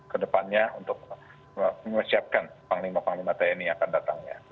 ke depannya untuk menyiapkan panglima panglima tni yang akan datang ya